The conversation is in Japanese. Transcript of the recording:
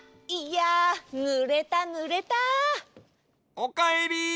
おかえり！